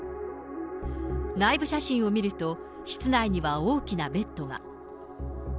内部写真を見ると、室内には大きなベッドが。